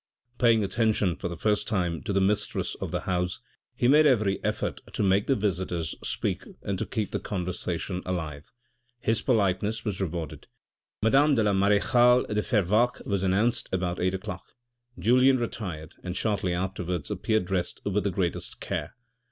Paying attention for the first time to the mistress of the house, he made every effort to make the visitors speak and to keep the conversation alive. His politeness was rewarded; madame la marechale de Fervaques was announced about eight o'clock. Julien retired and shortly afterwards appeared dressed with the greatest care.